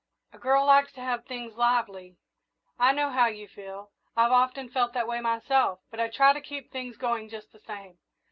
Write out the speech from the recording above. A girl likes to have things lively. I know how you feel I've often felt that way myself; but I try to keep things going just the same.